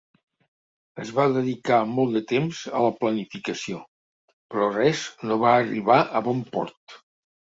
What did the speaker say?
Es va dedicar molt de temps a la planificació, però res no va arribar a bon port.